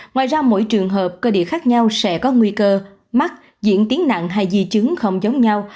ngoài ra mỗi trường hợp cơ địa khác nhau sẽ có nguy cơ mắc diễn tiến nặng hay di chứng không giống nhau